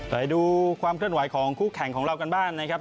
ไปดูความเคลื่อนไหวของคู่แข่งของเรากันบ้างนะครับ